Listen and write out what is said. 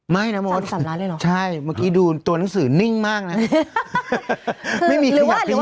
ไม่นะโมทใช่เมื่อกี้ดูตัวหนังสือนิ่งมากนะไม่มีใครอยากเปลี่ยน